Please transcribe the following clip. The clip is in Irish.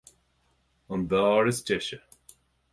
An beár is deise.